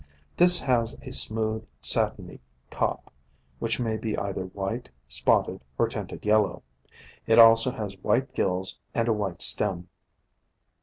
This has a smooth, satiny top, which may be either white, spotted, or tinted yellow; it also has white gills and a white stem.